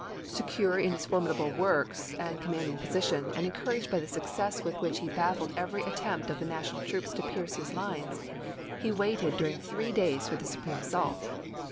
Secure in his formidable works and com manding position, and encouraged by the success with which he baffled every attempt of the National troops to pierce his lines, he waited during three days for the supreme assault.